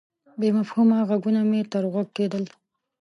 بې مفهومه ږغونه مې تر غوږ کېدل.